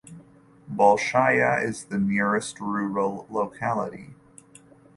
Bolshaya is the nearest rural locality.